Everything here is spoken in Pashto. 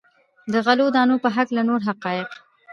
د غلو دانو په هکله نور حقایق.